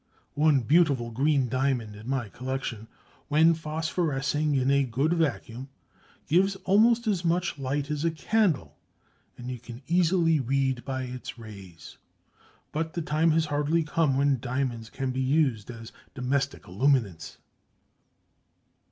One beautiful green diamond in my collection, when phosphorescing in a good vacuum, gives almost as much light as a candle, and you can easily read by its rays. But the time has hardly come when diamonds can be used as domestic illuminants!